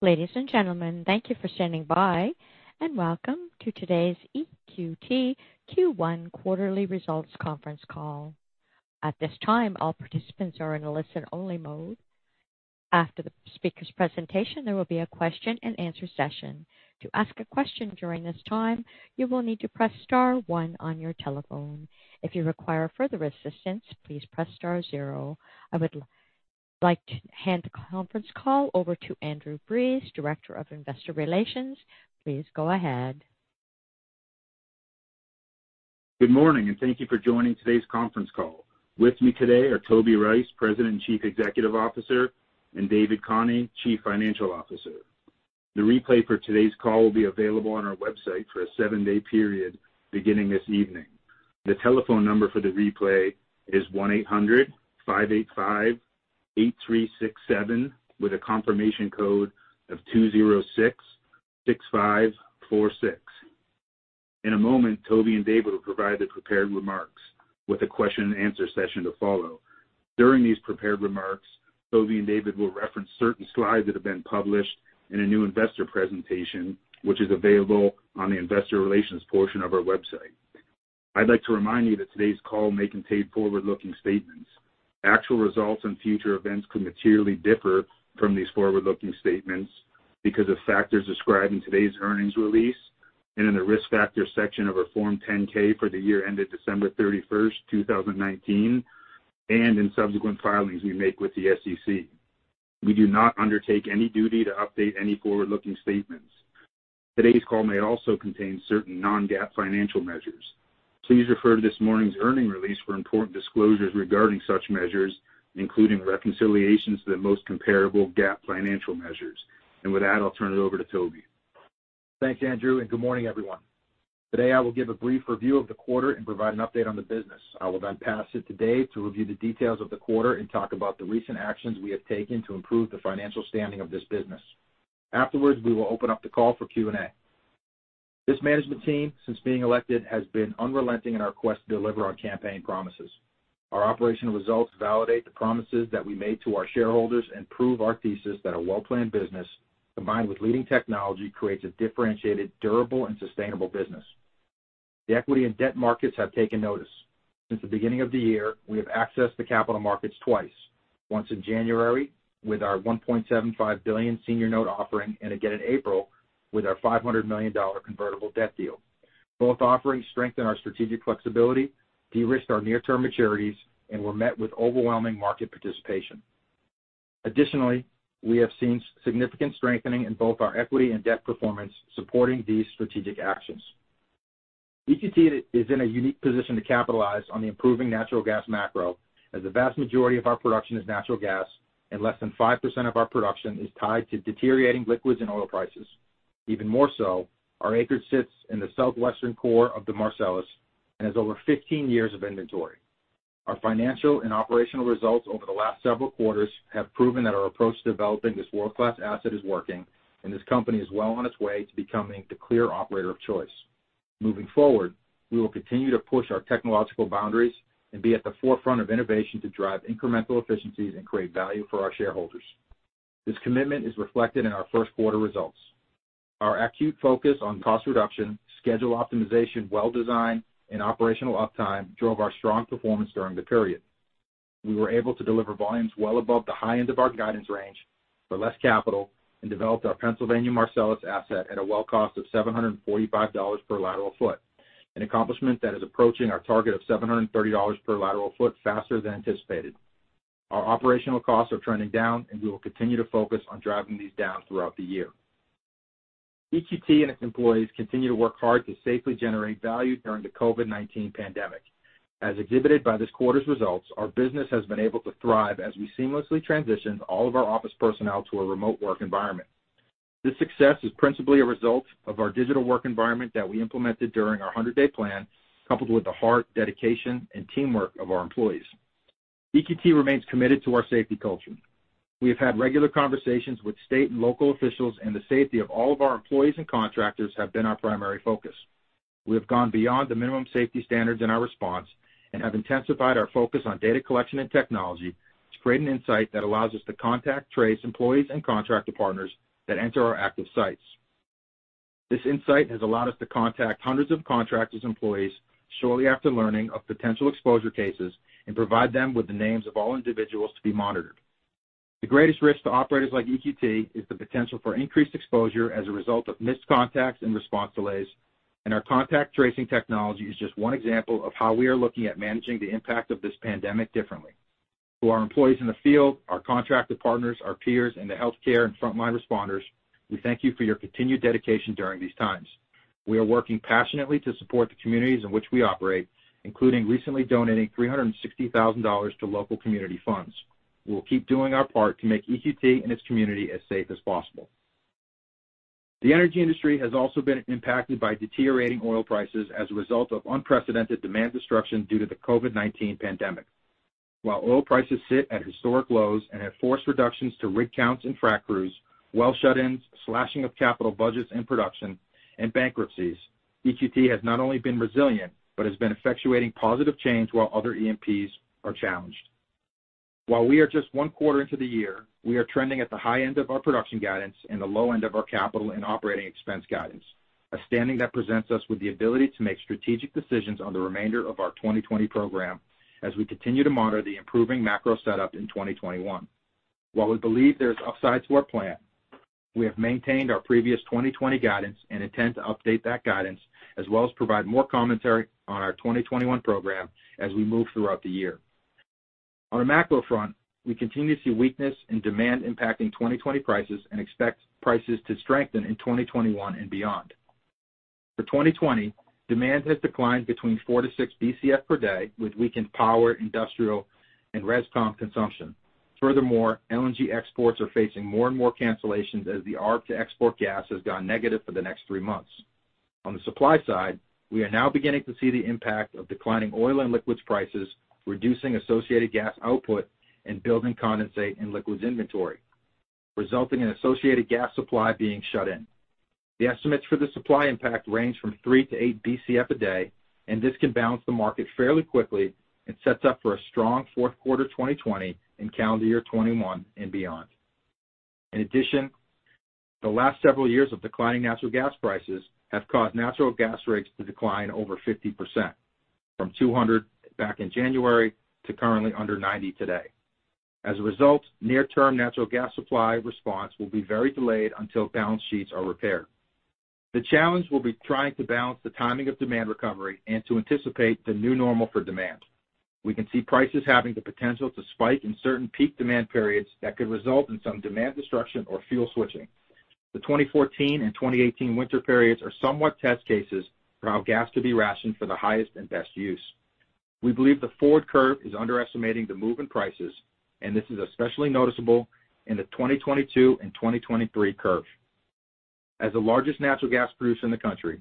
Ladies and gentlemen, thank you for standing by, and welcome to today's EQT Q1 quarterly results conference call. At this time, all participants are in a listen-only mode. After the speaker's presentation, there will be a question and answer session. To ask a question during this time, you will need to press star one on your telephone. If you require further assistance, please press star zero. I would like to hand the conference call over to Andrew Breese, Director of Investor Relations. Please go ahead. Good morning, and thank you for joining today's conference call. With me today are Toby Rice, President and Chief Executive Officer, and David Khani, Chief Financial Officer. The replay for today's call will be available on our website for a seven-day period beginning this evening. The telephone number for the replay is 1-800-585-8367 with a confirmation code of 2066546. In a moment, Toby and David will provide the prepared remarks with the question and answer session to follow. During these prepared remarks, Toby and David will reference certain slides that have been published in a new investor presentation, which is available on the investor relations portion of our website. I'd like to remind you that today's call may contain forward-looking statements. Actual results in future events could materially differ from these forward-looking statements because of factors described in today's earnings release and in the Risk Factors section of our Form 10-K for the year ended December 31st, 2019, and in subsequent filings we make with the SEC. We do not undertake any duty to update any forward-looking statements. Today's call may also contain certain non-GAAP financial measures. Please refer to this morning's earnings release for important disclosures regarding such measures, including reconciliations to the most comparable GAAP financial measures. With that, I'll turn it over to Toby. Thanks, Andrew. Good morning, everyone. Today, I will give a brief review of the quarter and provide an update on the business. I will pass it to Dave to review the details of the quarter and talk about the recent actions we have taken to improve the financial standing of this business. Afterwards, we will open up the call for Q&A. This management team, since being elected, has been unrelenting in our quest to deliver on campaign promises. Our operational results validate the promises that we made to our shareholders and prove our thesis that a well-planned business, combined with leading technology, creates a differentiated, durable, and sustainable business. The equity and debt markets have taken notice. Since the beginning of the year, we have accessed the capital markets twice: once in January with our $1.75 billion senior note offering, and again in April with our $500 million convertible debt deal. Both offerings strengthen our strategic flexibility, de-risked our near-term maturities, and were met with overwhelming market participation. Additionally, we have seen significant strengthening in both our equity and debt performance supporting these strategic actions. EQT is in a unique position to capitalize on the improving natural gas macro as the vast majority of our production is natural gas and less than 5% of our production is tied to deteriorating liquids and oil prices. Even more so, our acreage sits in the southwestern core of the Marcellus and has over 15 years of inventory. Our financial and operational results over the last several quarters have proven that our approach to developing this world-class asset is working, and this company is well on its way to becoming the clear operator of choice. Moving forward, we will continue to push our technological boundaries and be at the forefront of innovation to drive incremental efficiencies and create value for our shareholders. This commitment is reflected in our first quarter results. Our acute focus on cost reduction, schedule optimization, well design, and operational uptime drove our strong performance during the period. We were able to deliver volumes well above the high end of our guidance range for less capital and developed our Pennsylvania Marcellus asset at a well cost of $745 per lateral foot, an accomplishment that is approaching our target of $730 per lateral foot faster than anticipated. Our operational costs are trending down, and we will continue to focus on driving these down throughout the year. EQT and its employees continue to work hard to safely generate value during the COVID-19 pandemic. As exhibited by this quarter's results, our business has been able to thrive as we seamlessly transition all of our office personnel to a remote work environment. This success is principally a result of our digital work environment that we implemented during our 100-day plan, coupled with the heart, dedication, and teamwork of our employees. EQT remains committed to our safety culture. We have had regular conversations with state and local officials, and the safety of all of our employees and contractors have been our primary focus. We have gone beyond the minimum safety standards in our response and have intensified our focus on data collection and technology to create an insight that allows us to contact trace employees and contractor partners that enter our active sites. This insight has allowed us to contact hundreds of contractors' employees shortly after learning of potential exposure cases and provide them with the names of all individuals to be monitored. The greatest risk to operators like EQT is the potential for increased exposure as a result of missed contacts and response delays, and our contact tracing technology is just one example of how we are looking at managing the impact of this pandemic differently. To our employees in the field, our contracted partners, our peers, and the healthcare and frontline responders, we thank you for your continued dedication during these times. We are working passionately to support the communities in which we operate, including recently donating $360,000 to local community funds. We will keep doing our part to make EQT and its community as safe as possible. The energy industry has also been impacted by deteriorating oil prices as a result of unprecedented demand destruction due to the COVID-19 pandemic. While oil prices sit at historic lows and have forced reductions to rig counts and frac crews, well shut-ins, slashing of capital budgets and production, and bankruptcies, EQT has not only been resilient, but has been effectuating positive change while other E&Ps are challenged. While we are just one quarter into the year, we are trending at the high end of our production guidance and the low end of our capital and operating expense guidance. A standing that presents us with the ability to make strategic decisions on the remainder of our 2020 program as we continue to monitor the improving macro setup in 2021. While we believe there's upsides to our plan, we have maintained our previous 2020 guidance and intend to update that guidance as well as provide more commentary on our 2021 program as we move throughout the year. On a macro front, we continue to see weakness in demand impacting 2020 prices and expect prices to strengthen in 2021 and beyond. For 2020, demand has declined between four to six Bcf per day with weakened power, industrial, and res/com consumption. Furthermore, LNG exports are facing more and more cancellations as the arb to export gas has gone negative for the next three months. On the supply side, we are now beginning to see the impact of declining oil and liquids prices, reducing associated gas output, and building condensate and liquids inventory, resulting in associated gas supply being shut in. The estimates for the supply impact range from 3 Bcf-8 Bcf a day, and this can balance the market fairly quickly and sets up for a strong fourth quarter 2020 and calendar year 2021 and beyond. In addition, the last several years of declining natural gas prices have caused natural gas rates to decline over 50%, from $200 back in January to currently under $90 today. As a result, near-term natural gas supply response will be very delayed until balance sheets are repaired. The challenge will be trying to balance the timing of demand recovery and to anticipate the new normal for demand. We can see prices having the potential to spike in certain peak demand periods that could result in some demand destruction or fuel switching. The 2014 and 2018 winter periods are somewhat test cases for how gas could be rationed for the highest and best use. We believe the forward curve is underestimating the move in prices, and this is especially noticeable in the 2022 and 2023 curve. As the largest natural gas producer in the country,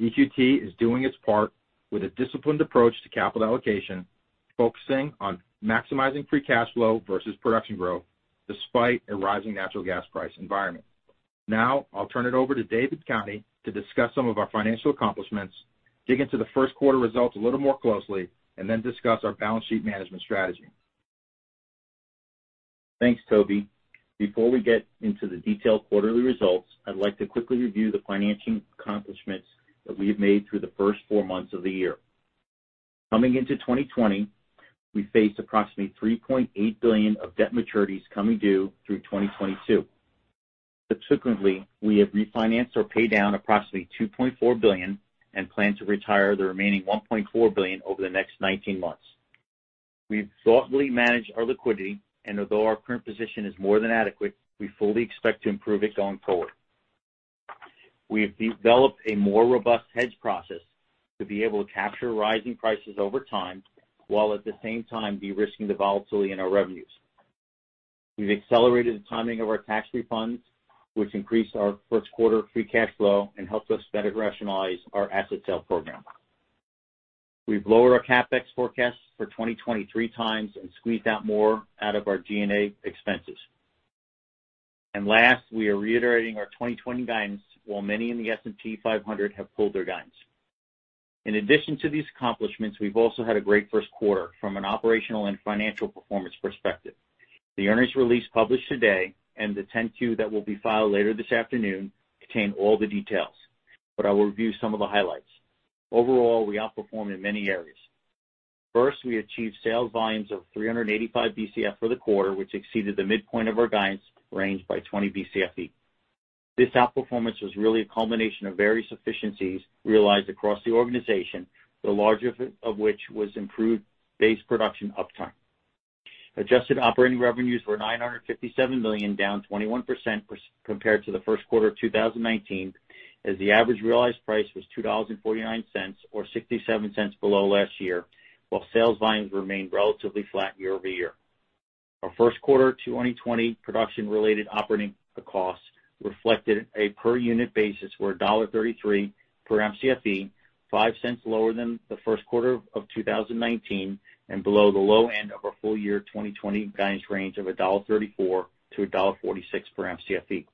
EQT is doing its part with a disciplined approach to capital allocation, focusing on maximizing free cash flow versus production growth despite a rising natural gas price environment. Now, I'll turn it over to David Khani to discuss some of our financial accomplishments, dig into the first quarter results a little more closely, and then discuss our balance sheet management strategy. Thanks, Toby. Before we get into the detailed quarterly results, I'd like to quickly review the financing accomplishments that we have made through the first four months of the year. Coming into 2020, we faced approximately $3.8 billion of debt maturities coming due through 2022. Subsequently, we have refinanced or paid down approximately $2.4 billion and plan to retire the remaining $1.4 billion over the next 19 months. We've thoughtfully managed our liquidity, and although our current position is more than adequate, we fully expect to improve it going forward. We've developed a more robust hedge process to be able to capture rising prices over time, while at the same time de-risking the volatility in our revenues. We've accelerated the timing of our tax refunds, which increased our first quarter free cash flow and helped us better rationalize our asset sale program. We've lowered our CapEx forecast for 2020 three times and squeezed out more out of our G&A expenses. Last, we are reiterating our 2020 guidance, while many in the S&P 500 have pulled their guidance. In addition to these accomplishments, we've also had a great first quarter from an operational and financial performance perspective. The earnings release published today and the 10-Q that will be filed later this afternoon contain all the details, but I will review some of the highlights. Overall, we outperformed in many areas. First, we achieved sales volumes of 385 Bcf for the quarter, which exceeded the midpoint of our guidance range by 20 Bcf. This outperformance was really a culmination of various efficiencies realized across the organization, the larger of which was improved base production uptime. Adjusted operating revenues were $957 million, down 21% compared to the first quarter of 2019, as the average realized price was $2.49, or $0.67 below last year, while sales volumes remained relatively flat year-over-year. Our first quarter 2020 production-related operating costs reflected a per unit basis for $1.33 per Mcfe, $0.05 lower than the first quarter of 2019, and below the low end of our full year 2020 guidance range of $1.34-$1.46 per Mcfe.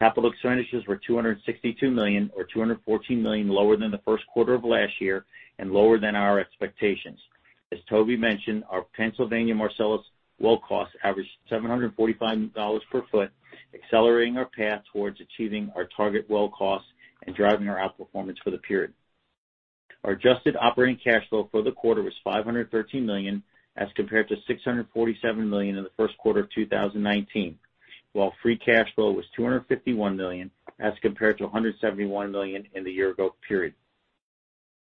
Capital expenditures were $262 million, or $214 million lower than the first quarter of last year and lower than our expectations. As Toby mentioned, our Pennsylvania Marcellus well costs averaged $745 per foot, accelerating our path towards achieving our target well costs and driving our outperformance for the period. Our adjusted operating cash flow for the quarter was $513 million as compared to $647 million in the first quarter of 2019, while free cash flow was $251 million as compared to $171 million in the year-ago period.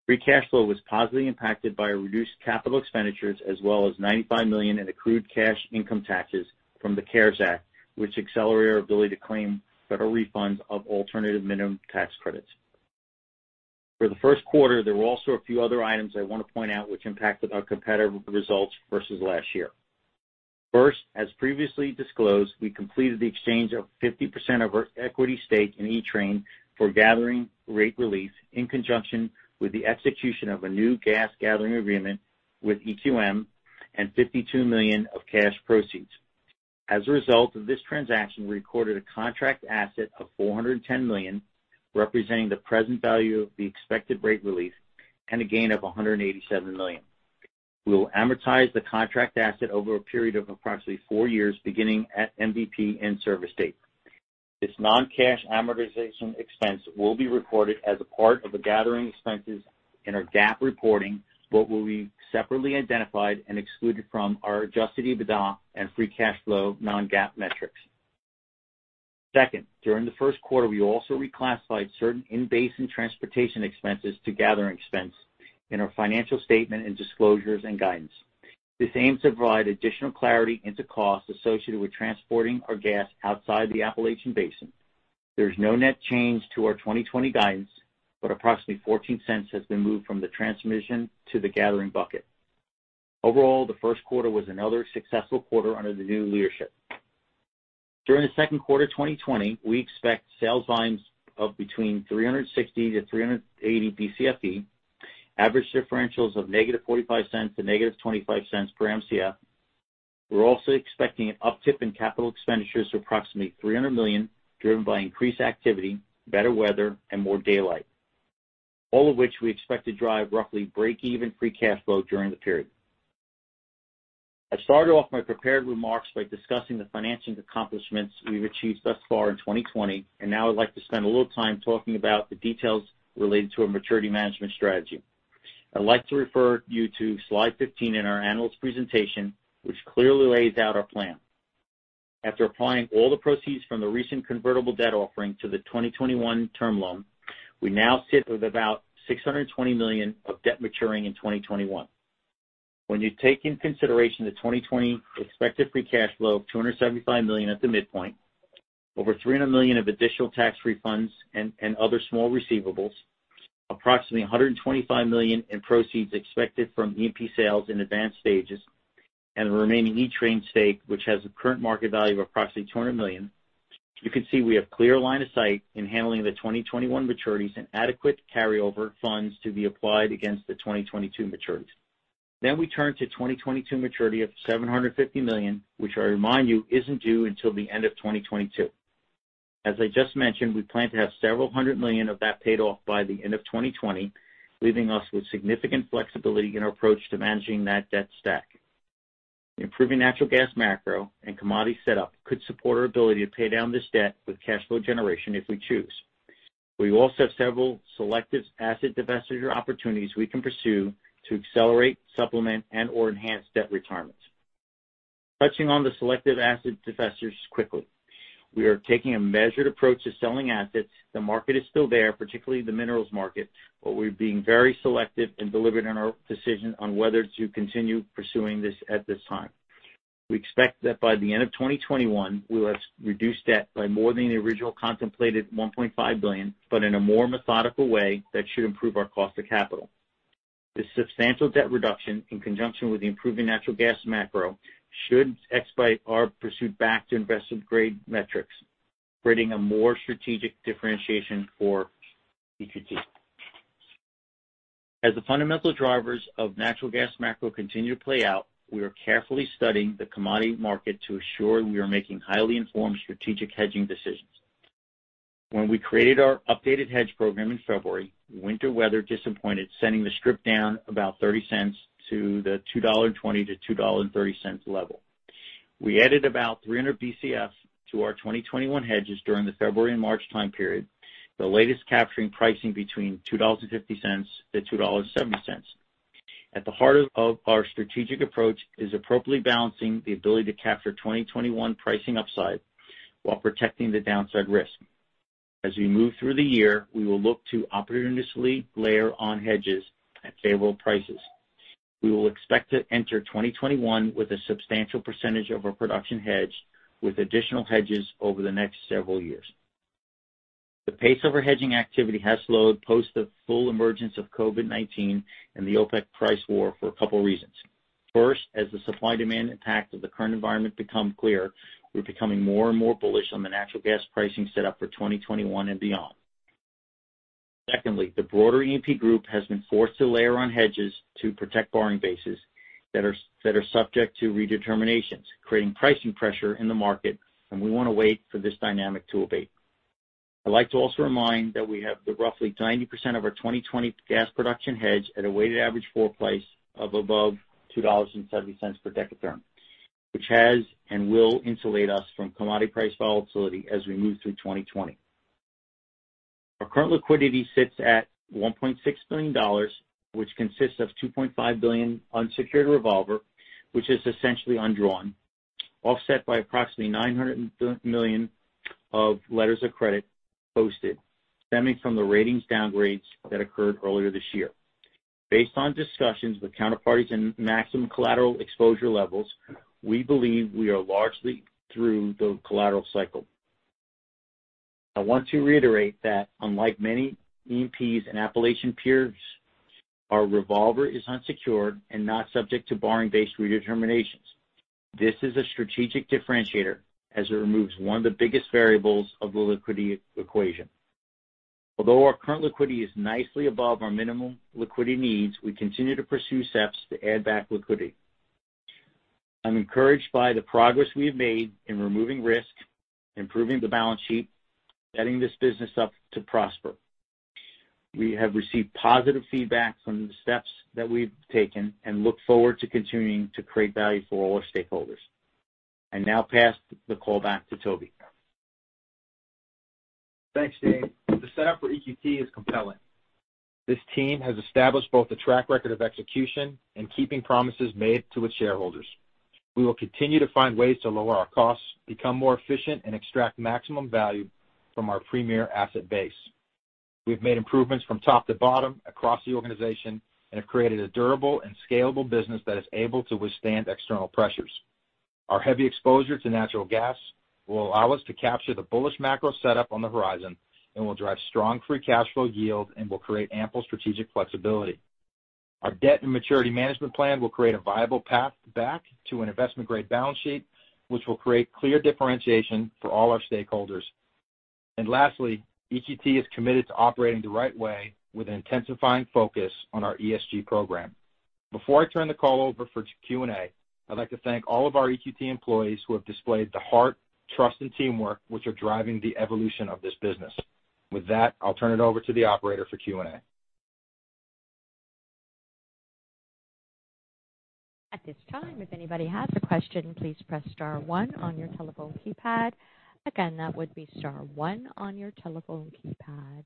Free cash flow was positively impacted by a reduced capital expenditures as well as $95 million in accrued cash income taxes from the CARES Act, which accelerated our ability to claim federal refunds of alternative minimum tax credits. For the first quarter, there were also a few other items I want to point out which impacted our competitive results versus last year. First, as previously disclosed, we completed the exchange of 50% of our equity stake in Equitrans for gathering rate relief in conjunction with the execution of a new gas gathering agreement with EQM and $52 million of cash proceeds. As a result of this transaction, we recorded a contract asset of $410 million, representing the present value of the expected rate relief and a gain of $187 million. We will amortize the contract asset over a period of approximately four years, beginning at MVP in-service date. This non-cash amortization expense will be recorded as a part of the gathering expenses in our GAAP reporting, but will be separately identified and excluded from our adjusted EBITDA and free cash flow non-GAAP metrics. Second, during the first quarter, we also reclassified certain in-basin transportation expenses to gathering expense in our financial statement and disclosures and guidance. This aims to provide additional clarity into costs associated with transporting our gas outside the Appalachian Basin. There's no net change to our 2020 guidance, but approximately $0.14 has been moved from the transmission to the gathering bucket. Overall, the first quarter was another successful quarter under the new leadership. During the second quarter of 2020, we expect sales volumes of between 360-380 BCFE, average differentials of -$0.45 to -$0.25 per Mcf. We're also expecting an uptick in capital expenditures of approximately $300 million, driven by increased activity, better weather, and more daylight. All of which we expect to drive roughly breakeven free cash flow during the period. I started off my prepared remarks by discussing the financing accomplishments we've achieved thus far in 2020, and now I'd like to spend a little time talking about the details related to our maturity management strategy. I'd like to refer you to slide 15 in our analyst presentation, which clearly lays out our plan. After applying all the proceeds from the recent convertible debt offering to the 2021 term loan, we now sit with about $620 million of debt maturing in 2021. When you take into consideration the 2020 expected free cash flow of $275 million at the midpoint, over $300 million of additional tax refunds and other small receivables, approximately $125 million in proceeds expected from E&P sales in advanced stages, and the remaining Equitrans stake, which has a current market value of approximately $200 million, you can see we have clear line of sight in handling the 2021 maturities and adequate carryover funds to be applied against the 2022 maturities. We turn to 2022 maturity of $750 million, which I remind you isn't due until the end of 2022. As I just mentioned, we plan to have several hundred million of that paid off by the end of 2020, leaving us with significant flexibility in our approach to managing that debt stack. Improving natural gas macro and commodity setup could support our ability to pay down this debt with cash flow generation if we choose. We also have several selective asset divestiture opportunities we can pursue to accelerate, supplement, and/or enhance debt retirement. Touching on the selective asset divestitures quickly. The market is still there, particularly the minerals market, but we're being very selective and deliberate in our decision on whether to continue pursuing this at this time. We expect that by the end of 2021, we will have reduced debt by more than the original contemplated $1.5 billion, but in a more methodical way that should improve our cost of capital. This substantial debt reduction, in conjunction with the improving natural gas macro, should expedite our pursuit back to investment-grade metrics, creating a more strategic differentiation for EQT. As the fundamental drivers of natural gas macro continue to play out, we are carefully studying the commodity market to ensure we are making highly informed strategic hedging decisions. When we created our updated hedge program in February, winter weather disappointed, sending the strip down about $0.30 to the $2.20-$2.30 level. We added about 300 Bcf to our 2021 hedges during the February and March time period, the latest capturing pricing between $2.50-$2.70. At the heart of our strategic approach is appropriately balancing the ability to capture 2021 pricing upside while protecting the downside risk. As we move through the year, we will look to opportunistically layer on hedges at favorable prices. We will expect to enter 2021 with a substantial percentage of our production hedged, with additional hedges over the next several years. The pace of our hedging activity has slowed post the full emergence of COVID-19 and the OPEC price war for a couple reasons. First, as the supply-demand impact of the current environment become clear, we're becoming more and more bullish on the natural gas pricing set up for 2021 and beyond. Secondly, the broader E&P group has been forced to layer on hedges to protect borrowing bases that are subject to redeterminations, creating pricing pressure in the market, and we want to wait for this dynamic to abate. I'd like to also remind that we have the roughly 90% of our 2020 gas production hedged at a weighted average floor price of above $2.70 per dekatherm, which has and will insulate us from commodity price volatility as we move through 2020. Our current liquidity sits at $1.6 billion, which consists of $2.5 billion unsecured revolver, which is essentially undrawn, offset by approximately $900 million of letters of credit posted, stemming from the ratings downgrades that occurred earlier this year. Based on discussions with counterparties and maximum collateral exposure levels, we believe we are largely through the collateral cycle. I want to reiterate that unlike many E&Ps and Appalachian peers, our revolver is unsecured and not subject to borrowing base redeterminations. This is a strategic differentiator as it removes one of the biggest variables of the liquidity equation. Although our current liquidity is nicely above our minimum liquidity needs, we continue to pursue steps to add back liquidity. I'm encouraged by the progress we have made in removing risk, improving the balance sheet, setting this business up to prosper. We have received positive feedback from the steps that we've taken and look forward to continuing to create value for all our stakeholders. I now pass the call back to Toby. Thanks, David. The setup for EQT is compelling. This team has established both a track record of execution and keeping promises made to its shareholders. We will continue to find ways to lower our costs, become more efficient, and extract maximum value from our premier asset base. We've made improvements from top to bottom across the organization and have created a durable and scalable business that is able to withstand external pressures. Our heavy exposure to natural gas will allow us to capture the bullish macro setup on the horizon and will drive strong free cash flow yield and will create ample strategic flexibility. Our debt and maturity management plan will create a viable path back to an investment-grade balance sheet, which will create clear differentiation for all our stakeholders. Lastly, EQT is committed to operating the right way with an intensifying focus on our ESG program. Before I turn the call over for Q&A, I'd like to thank all of our EQT employees who have displayed the heart, trust, and teamwork which are driving the evolution of this business. With that, I'll turn it over to the operator for Q&A. At this time, if anybody has a question, please press star one on your telephone keypad. Again, that would be star one on your telephone keypad.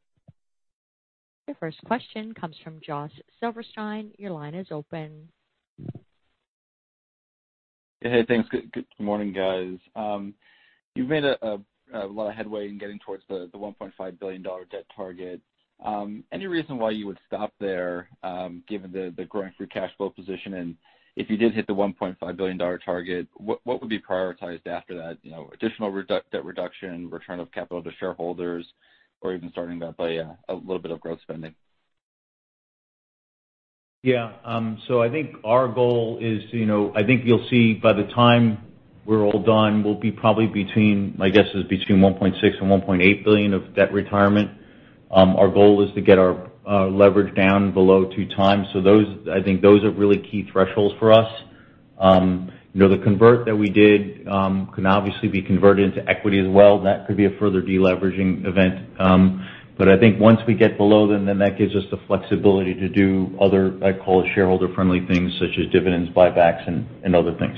Your first question comes from Josh Silverstein. Your line is open. Hey, thanks. Good morning, guys. You've made a lot of headway in getting towards the $1.5 billion debt target. Any reason why you would stop there, given the growing free cash flow position? If you did hit the $1.5 billion target, what would be prioritized after that? Additional debt reduction, return of capital to shareholders, or even starting to apply a little bit of growth spending? I think our goal is, I think you'll see by the time we're all done, we'll be probably between, my guess is between $1.6 billion and $1.8 billion of debt retirement. Our goal is to get our leverage down below 2x. I think those are really key thresholds for us. The convert that we did can obviously be converted into equity as well. That could be a further de-leveraging event. I think once we get below them, that gives us the flexibility to do other, I call it shareholder-friendly things such as dividends, buybacks, and other things.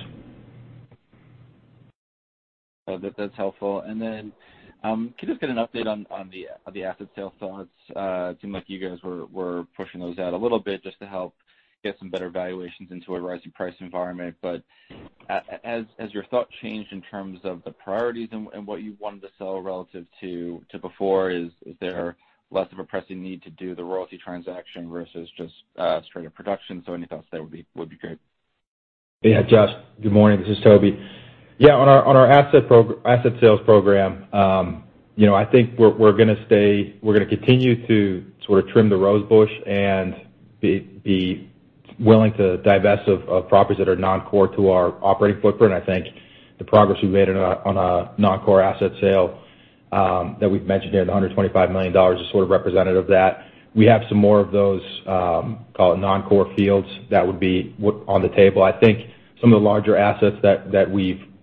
That's helpful. Can I just get an update on the asset sales fronts? It seemed like you guys were pushing those out a little bit just to help get some better valuations into a rising price environment. Has your thought changed in terms of the priorities and what you wanted to sell relative to before? Is there less of a pressing need to do the royalty transaction versus just straight up production? Any thoughts there would be great. Yeah, Josh, good morning. This is Toby. Yeah, on our asset sales program, I think we're going to continue to sort of trim the rosebush and be willing to divest of properties that are non-core to our operating footprint. I think the progress we've made on a non-core asset sale that we've mentioned here, the $125 million, is sort of representative of that. We have some more of those, call it non-core fields, that would be on the table. I think some of the larger assets that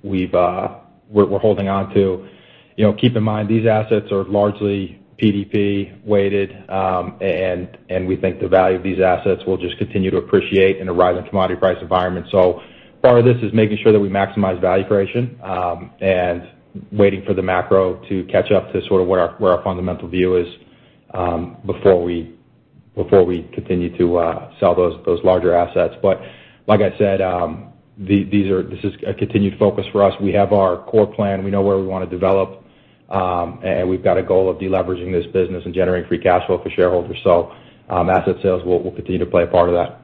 we're holding onto. Keep in mind, these assets are largely PDP-weighted, and we think the value of these assets will just continue to appreciate in a rising commodity price environment. Part of this is making sure that we maximize value creation, and waiting for the macro to catch up to sort of where our fundamental view is, before we continue to sell those larger assets. Like I said, this is a continued focus for us. We have our core plan. We know where we want to develop. We've got a goal of de-leveraging this business and generating free cash flow for shareholders. Asset sales will continue to play a part of that.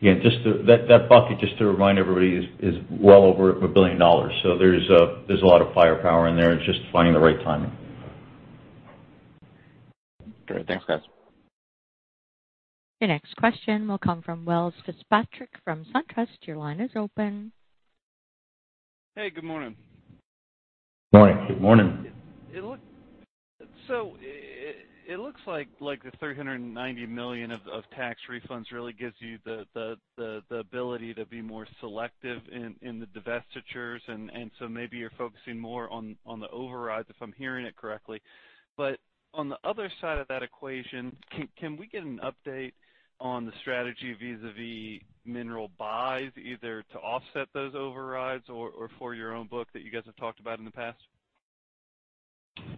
Yeah. That bucket, just to remind everybody, is well over $1 billion. There's a lot of firepower in there. It's just finding the right timing. Great. Thanks, guys. Your next question will come from Welles Fitzpatrick from SunTrust. Your line is open. Hey, good morning. Morning. Good morning. It looks like the $390 million of tax refunds really gives you the ability to be more selective in the divestitures, maybe you're focusing more on the overrides, if I'm hearing it correctly. On the other side of that equation, can we get an update on the strategy vis-a-vis mineral buys, either to offset those overrides or for your own book that you guys have talked about in the past?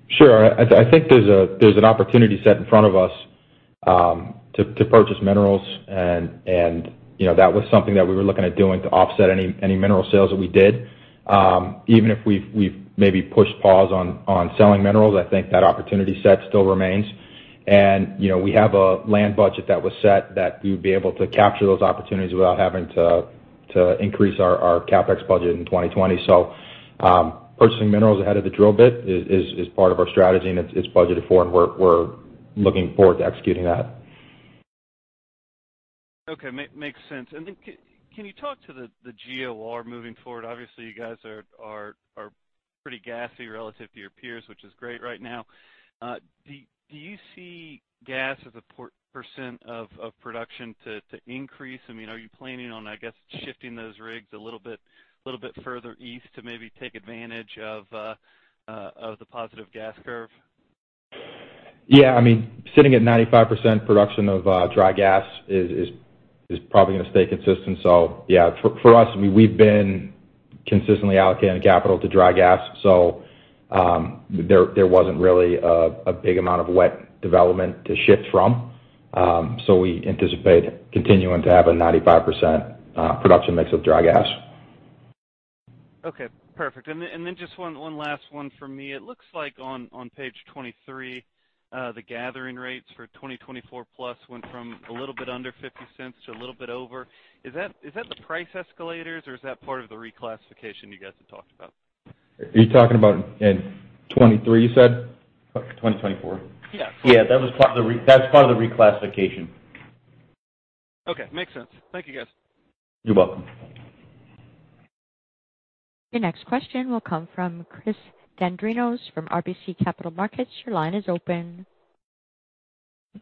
Sure. I think there's an opportunity set in front of us to purchase minerals, and that was something that we were looking at doing to offset any mineral sales that we did. Even if we've maybe pushed pause on selling minerals, I think that opportunity set still remains. We have a land budget that was set that we would be able to capture those opportunities without having to increase our CapEx budget in 2020. Purchasing minerals ahead of the drill bit is part of our strategy, and it's budgeted for, and we're looking forward to executing that. Okay. Makes sense. Can you talk to the GOR moving forward? You guys are pretty gassy relative to your peers, which is great right now. Do you see gas as a percent of production to increase? Are you planning on, I guess, shifting those rigs a little bit further east to maybe take advantage of the positive gas curve? Yeah. Sitting at 95% production of dry gas is probably going to stay consistent. Yeah, for us, we've been consistently allocating capital to dry gas, so there wasn't really a big amount of wet development to shift from. We anticipate continuing to have a 95% production mix of dry gas. Okay, perfect. Just one last one from me. It looks like on page 23, the gathering rates for 2024+ went from a little bit under $0.50 to a little bit over. Is that the price escalators, or is that part of the reclassification you guys had talked about? Are you talking about in 2023, you said? 2024? Yeah. Yeah. That's part of the reclassification. Okay. Makes sense. Thank you, guys. You're welcome. Your next question will come from Chris Dendrinos from RBC Capital Markets. Your line is open.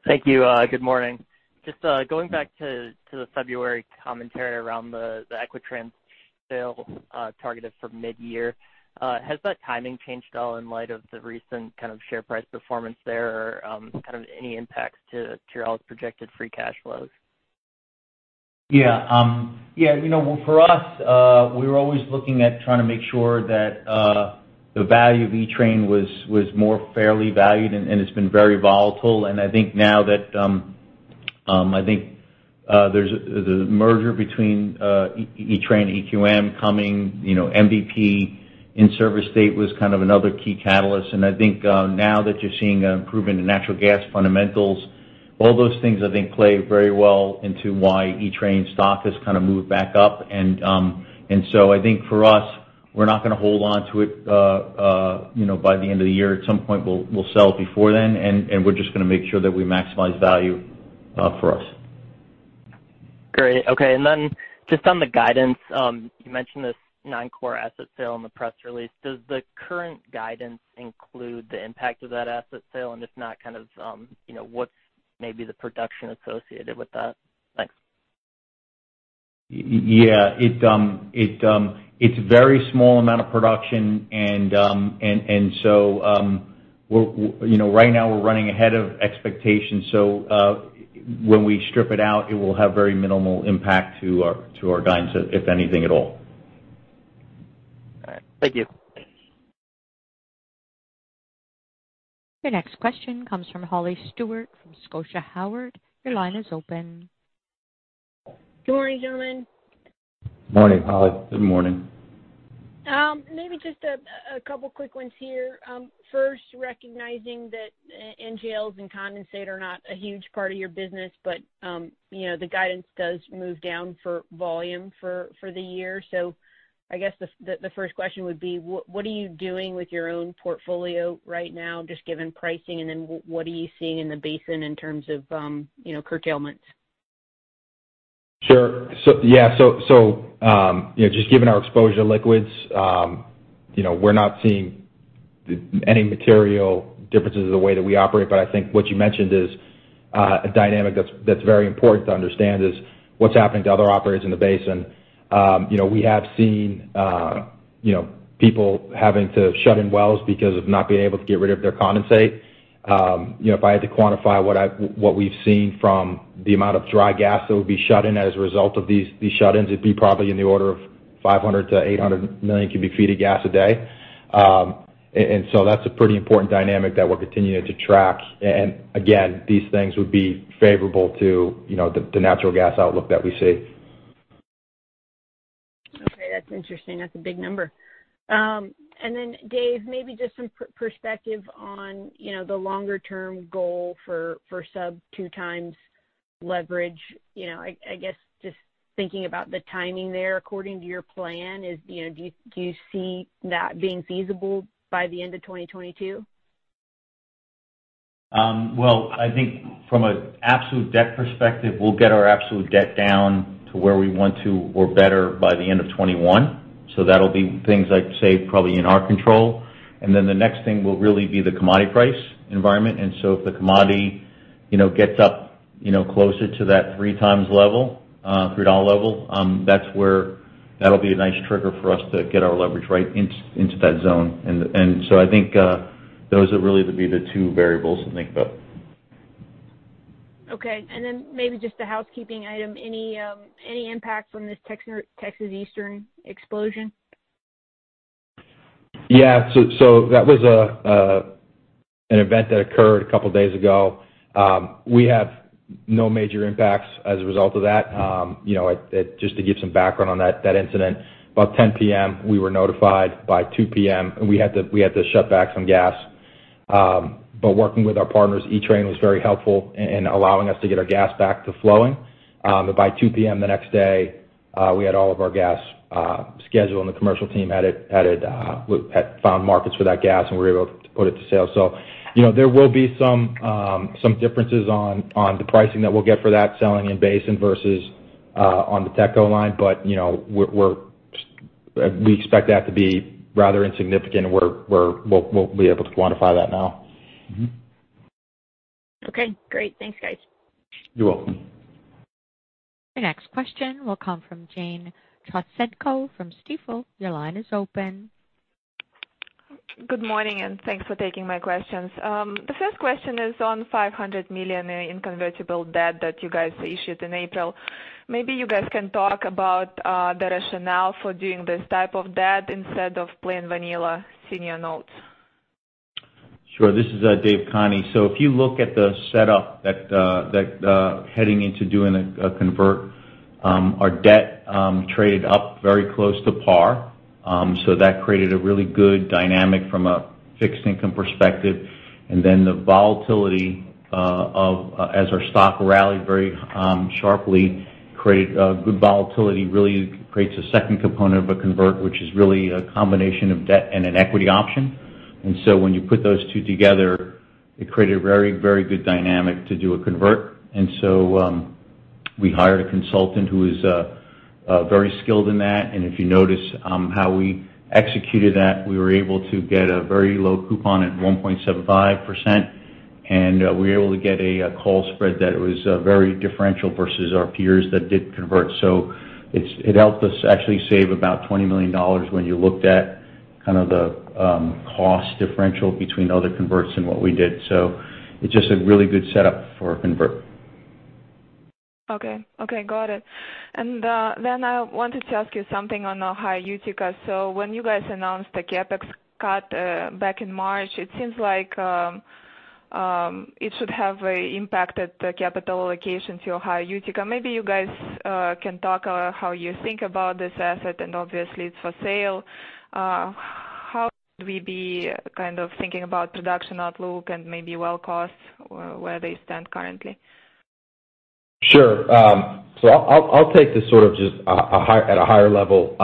Thank you. Good morning. Just going back to the February commentary around the Equitrans sale targeted for mid-year, has that timing changed at all in light of the recent share price performance there, or any impacts to your all's projected free cash flows? For us, we were always looking at trying to make sure that the value of Equitrans was more fairly valued. It's been very volatile. I think now that there's the merger between Equitrans and EQM coming, MVP in service state was another key catalyst. I think now that you're seeing an improvement in natural gas fundamentals, all those things, I think, play very well into why Equitrans stock has moved back up. I think for us, we're not going to hold onto it by the end of the year. At some point, we'll sell it before then. We're just going to make sure that we maximize value for us. Great. Okay. Then just on the guidance, you mentioned this non-core asset sale in the press release. Does the current guidance include the impact of that asset sale? If not, what's maybe the production associated with that? Thanks. Yeah. It's a very small amount of production, and so right now we're running ahead of expectations. When we strip it out, it will have very minimal impact to our guidance, if anything at all. All right. Thank you. Your next question comes from Holly Stewart from Scotia Howard Weil. Your line is open. Good morning, gentlemen. Morning, Holly. Good morning. Just a couple quick ones here. Recognizing that NGLs and condensate are not a huge part of your business, but the guidance does move down for volume for the year. I guess the first question would be: What are you doing with your own portfolio right now, just given pricing? What are you seeing in the basin in terms of curtailments? Sure. Just given our exposure to liquids, we're not seeing any material differences in the way that we operate. I think what you mentioned is a dynamic that's very important to understand is what's happening to other operators in the basin. We have seen people having to shut in wells because of not being able to get rid of their condensate. If I had to quantify what we've seen from the amount of dry gas that would be shut in as a result of these shut-ins, it'd be probably in the order of 500 million-800 million cu ft of gas a day. That's a pretty important dynamic that we're continuing to track. Again, these things would be favorable to the natural gas outlook that we see. Okay. That's interesting. That's a big number. Dave, maybe just some perspective on the longer-term goal for sub 2x leverage. I guess just thinking about the timing there according to your plan, do you see that being feasible by the end of 2022? Well, I think from an absolute debt perspective, we'll get our absolute debt down to where we want to or better by the end of 2021. That'll be things I'd say probably in our control. The next thing will really be the commodity price environment. If the commodity gets up closer to that 3x level, $3 level, that'll be a nice trigger for us to get our leverage right into that zone. I think those would really be the two variables to think about. Okay. Maybe just a housekeeping item. Any impact from this Texas Eastern explosion? Yeah. That was an event that occurred a couple of days ago. We have no major impacts as a result of that. Just to give some background on that incident, about 10:00 P.M., we were notified. By 2:00 P.M., we had to shut back some gas. Working with our partners, Equitrans was very helpful in allowing us to get our gas back to flowing. By 2:00 P.M. the next day, we had all of our gas scheduled, and the commercial team had found markets for that gas, and we were able to put it to sale. There will be some differences on the pricing that we'll get for that selling in basin versus on the TETCO line. We expect that to be rather insignificant, and we'll be able to quantify that now. Okay, great. Thanks, guys. You're welcome. Your next question will come from Jane Trotsenko from Stifel. Your line is open. Good morning, thanks for taking my questions. The first question is on $500 million in convertible debt that you guys issued in April. Maybe you guys can talk about the rationale for doing this type of debt instead of plain vanilla senior notes. Sure. This is David Khani. If you look at the setup heading into doing a convert, our debt traded up very close to par. The volatility, as our stock rallied very sharply, created good volatility, really creates a second component of a convert, which is really a combination of debt and an equity option. When you put those two together, it created a very good dynamic to do a convert. We hired a consultant who is very skilled in that. If you notice how we executed that, we were able to get a very low coupon at 1.75%, and we were able to get a call spread that was very differential versus our peers that did convert. It helped us actually save about $20 million when you looked at the cost differential between other converts and what we did. It's just a really good setup for a convert. Okay. Got it. Then I wanted to ask you something on Ohio Utica. When you guys announced the CapEx cut back in March, it seems like it should have impacted the capital allocation to Ohio Utica. Maybe you guys can talk about how you think about this asset, and obviously it's for sale. How should we be thinking about production outlook and maybe well costs, where they stand currently? Sure. I'll take this at a higher level.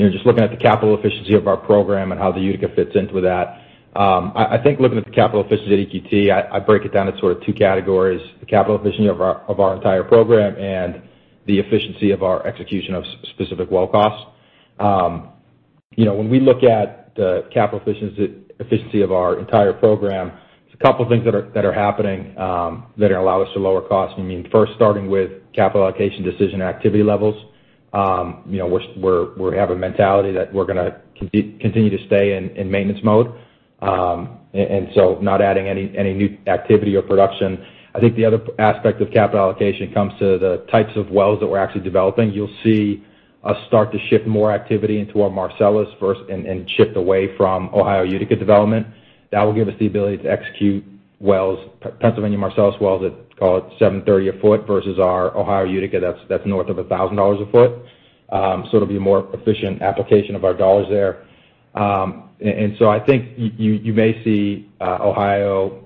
Just looking at the capital efficiency of our program and how the Utica fits into that. I think looking at the capital efficiency at EQT, I break it down into two categories, the capital efficiency of our entire program and the efficiency of our execution of specific well costs. When we look at the capital efficiency of our entire program, there's a couple of things that are happening that allow us to lower costs. Starting with capital allocation decision activity levels. We have a mentality that we're going to continue to stay in maintenance mode. Not adding any new activity or production. The other aspect of capital allocation comes to the types of wells that we're actually developing. You'll see us start to shift more activity into our Marcellus first and shift away from Ohio Utica development. That will give us the ability to execute Pennsylvania Marcellus wells at, call it $730 a foot versus our Ohio Utica that's north of $1,000 a foot. It'll be a more efficient application of our dollars there. I think you may see Ohio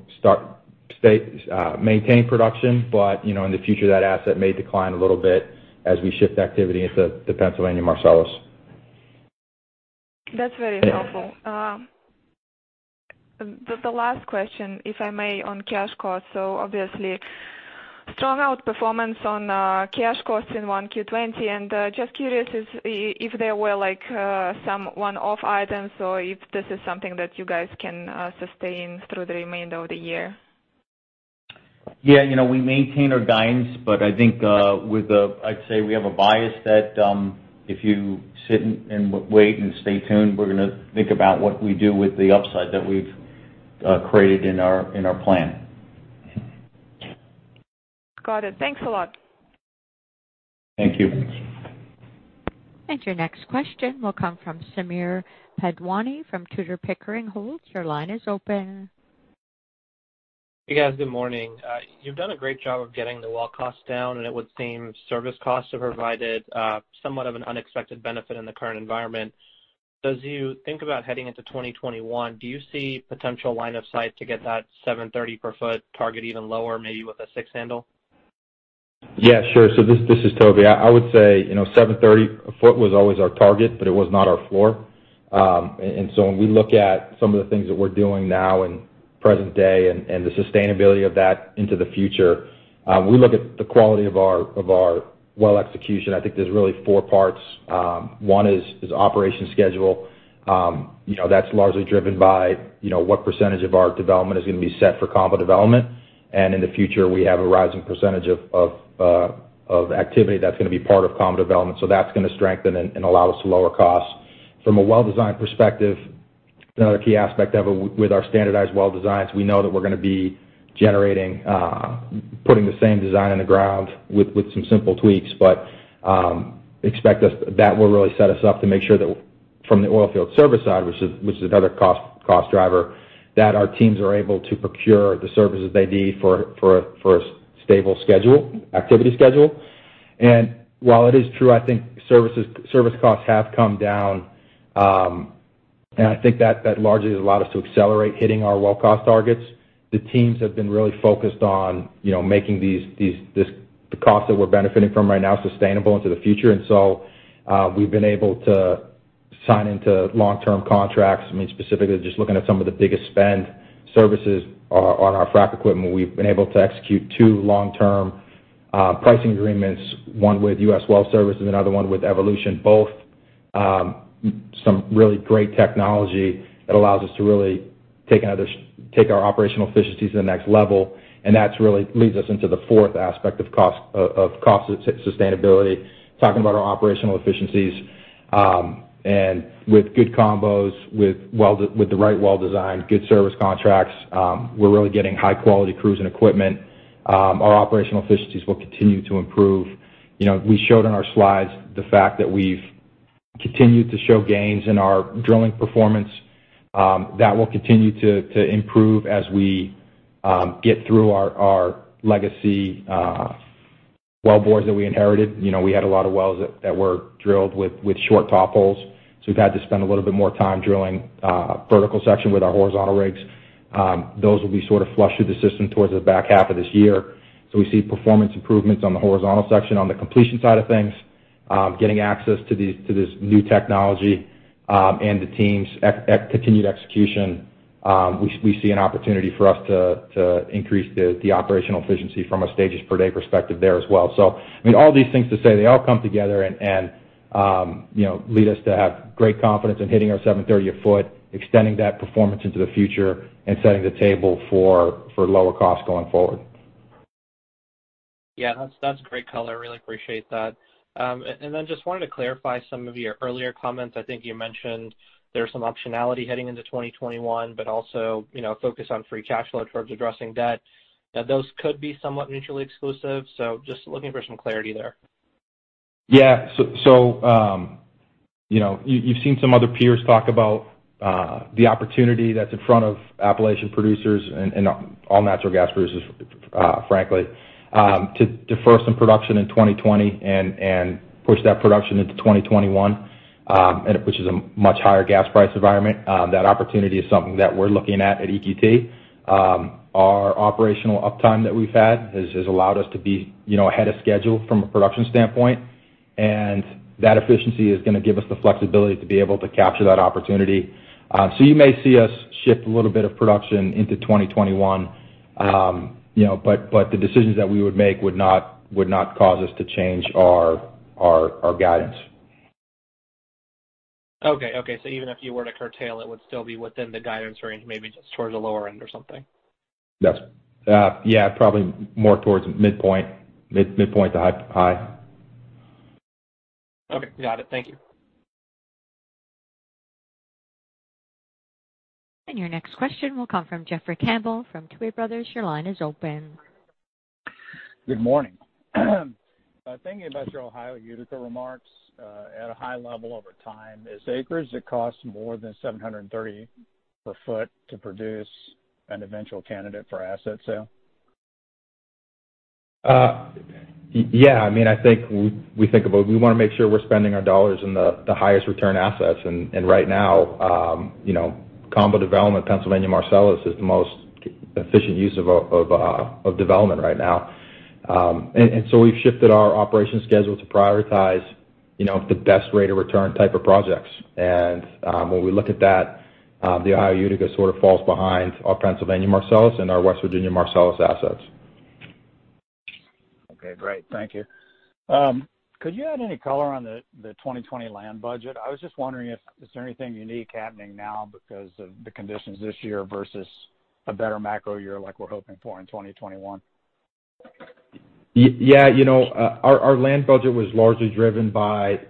maintain production, but in the future, that asset may decline a little bit as we shift activity into the Pennsylvania Marcellus. That's very helpful. The last question, if I may, on cash cost. Obviously, strong outperformance on cash costs in 1Q20. Just curious if there were some one-off items or if this is something that you guys can sustain through the remainder of the year. Yeah. We maintain our guidance, but I think, I'd say we have a bias that if you sit and wait and stay tuned, we're going to think about what we do with the upside that we've created in our plan. Got it. Thanks a lot. Thank you. Your next question will come from Sameer Panjwani from Tudor, Pickering, Holt. Your line is open. Hey, guys. Good morning. You've done a great job of getting the well costs down, and it would seem service costs have provided somewhat of an unexpected benefit in the current environment. As you think about heading into 2021, do you see potential line of sight to get that $730 per foot target even lower, maybe with a six handle? Yeah, sure. This is Toby. I would say $730 a foot was always our target. It was not our floor. When we look at some of the things that we're doing now in present day and the sustainability of that into the future, we look at the quality of our well execution. I think there's really four parts. One is operation schedule. That's largely driven by what percentage of our development is going to be set for combo development. In the future, we have a rising percentage of activity that's going to be part of combo development. That's going to strengthen and allow us to lower costs. From a well design perspective, another key aspect of it, with our standardized well designs, we know that we're going to be putting the same design in the ground with some simple tweaks, but expect that will really set us up to make sure that from the oilfield service side, which is another cost driver, that our teams are able to procure the services they need for a stable activity schedule. While it is true, I think service costs have come down. I think that largely has allowed us to accelerate hitting our well cost targets. The teams have been really focused on making the cost that we're benefiting from right now sustainable into the future. So, we've been able to sign into long-term contracts. Specifically, just looking at some of the biggest spend services on our frac equipment, we've been able to execute two long-term pricing agreements, one with U.S. Well Services, another one with Evolution. Both some really great technology that allows us to really take our operational efficiencies to the next level. That really leads us into the fourth aspect of cost sustainability, talking about our operational efficiencies. With good combos, with the right well design, good service contracts, we're really getting high-quality crews and equipment. Our operational efficiencies will continue to improve. We showed on our slides the fact that we've continued to show gains in our drilling performance. That will continue to improve as we get through our legacy wellbores that we inherited. We had a lot of wells that were drilled with short top holes, so we've had to spend a little bit more time drilling a vertical section with our horizontal rigs. Those will be sort of flushed through the system towards the back half of this year. We see performance improvements on the horizontal section, on the completion side of things. Getting access to this new technology, and the team's continued execution, we see an opportunity for us to increase the operational efficiency from a stages per day perspective there as well. All these things to say, they all come together and lead us to have great confidence in hitting our 730 a foot, extending that performance into the future, and setting the table for lower costs going forward. Yeah, that's great color. I really appreciate that. Just wanted to clarify some of your earlier comments. I think you mentioned there's some optionality heading into 2021, but also focus on free cash flow towards addressing debt. Those could be somewhat mutually exclusive, just looking for some clarity there. You've seen some other peers talk about the opportunity that's in front of Appalachian producers, and all natural gas producers, frankly, to defer some production in 2020 and push that production into 2021, which is a much higher gas price environment. That opportunity is something that we're looking at at EQT. Our operational uptime that we've had has allowed us to be ahead of schedule from a production standpoint, and that efficiency is going to give us the flexibility to be able to capture that opportunity. You may see us shift a little bit of production into 2021. The decisions that we would make would not cause us to change our guidance. Okay. Even if you were to curtail, it would still be within the guidance range, maybe just towards the lower end or something? Yes. Yeah, probably more towards midpoint to high. Okay. Got it. Thank you. Your next question will come from Jeffrey Campbell from Tuohy Brothers. Your line is open. Good morning. Thinking about your Ohio Utica remarks, at a high level over time, is acres that cost more than $730 per foot to produce an eventual candidate for asset sale? Yeah. We want to make sure we're spending our dollars in the highest return assets. Right now, combo development in Pennsylvania Marcellus is the most efficient use of development right now. We've shifted our operations schedule to prioritize the best rate of return type of projects. When we look at that, the Ohio Utica sort of falls behind our Pennsylvania Marcellus and our West Virginia Marcellus assets. Okay, great. Thank you. Could you add any color on the 2020 land budget? I was just wondering if there's anything unique happening now because of the conditions this year versus a better macro year like we're hoping for in 2021. Yeah. Our land budget was largely driven by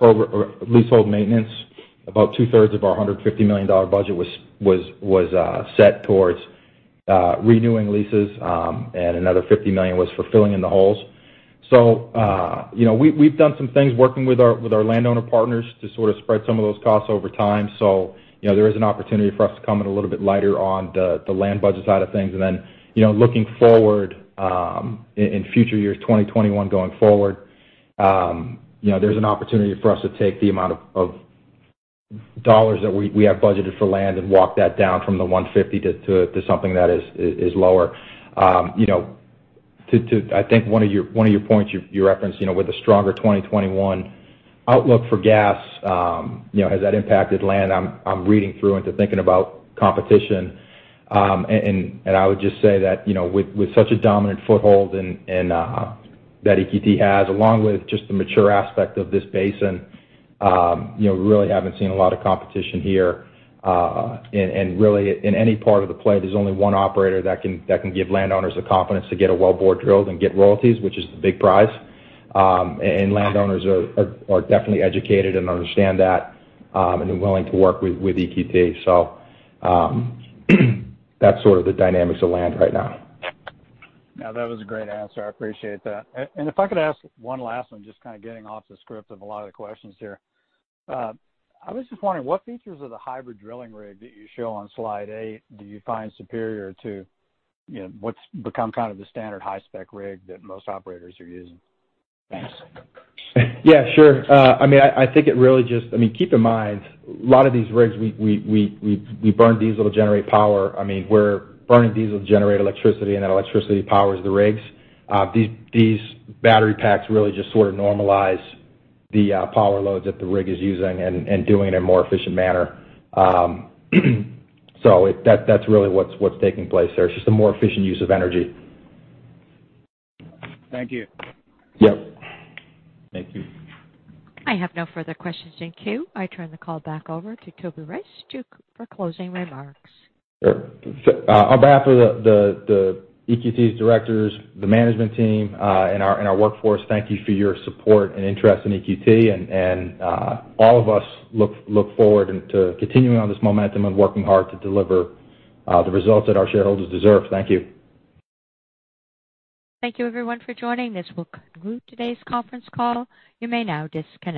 leasehold maintenance. About 2/3 of our $150 million budget was set towards renewing leases, and another $50 million was for filling in the holes. We've done some things working with our landowner partners to sort of spread some of those costs over time. There is an opportunity for us to come in a little bit lighter on the land budget side of things. Looking forward, in future years, 2021 going forward, there's an opportunity for us to take the amount of dollars that we have budgeted for land and walk that down from the 150 to something that is lower. I think one of your points you referenced, with the stronger 2021 outlook for gas, has that impacted land? I'm reading through into thinking about competition. I would just say that with such a dominant foothold that EQT has, along with just the mature aspect of this basin, we really haven't seen a lot of competition here. Really, in any part of the play, there's only one operator that can give landowners the confidence to get a wellbore drilled and get royalties, which is the big prize. Landowners are definitely educated and understand that, and are willing to work with EQT. That's sort of the dynamics of land right now. No, that was a great answer. I appreciate that. If I could ask one last one, just kind of getting off the script of a lot of the questions here. I was just wondering, what features of the hybrid drilling rig that you show on slide eight do you find superior to what's become kind of the standard high-spec rig that most operators are using? Thanks. Yeah, sure. Keep in mind, a lot of these rigs, we burn diesel to generate power. We're burning diesel to generate electricity. That electricity powers the rigs. These battery packs really just sort of normalize the power loads that the rig is using and doing it in a more efficient manner. That's really what's taking place there. It's just a more efficient use of energy. Thank you. Yep. Thank you. I have no further questions in queue. I turn the call back over to Toby Rice for closing remarks. Sure. On behalf of EQT's directors, the management team, and our workforce, thank you for your support and interest in EQT. All of us look forward to continuing on this momentum and working hard to deliver the results that our shareholders deserve. Thank you. Thank you everyone for joining. This will conclude today's conference call. You may now disconnect.